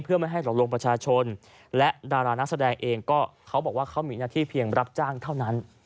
เพื่อไม่ให้หลอกลวงประชาชนและดารานักแสดงเองก็เขาบอกว่าเขามีหน้าที่เพียงรับจ้างเท่านั้น